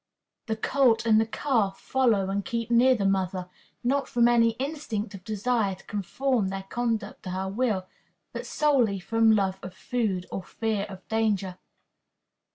The colt and the calf follow and keep near the mother, not from any instinct of desire to conform their conduct to her will, but solely from love of food, or fear of danger.